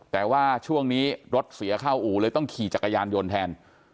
แต่ว่าช่วงนี้รถเสียเข้าอู่เลยต้องขี่จักรยานยนต์แทน